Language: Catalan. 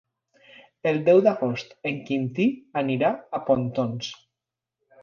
El deu d'agost en Quintí anirà a Pontons.